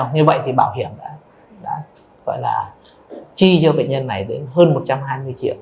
như vậy thì bảo hiểm đã gọi là chi cho bệnh nhân này đến hơn một trăm hai mươi triệu